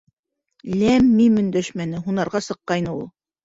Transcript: Ләм-мим өндәшмәне, һунарға сыҡҡайны ул.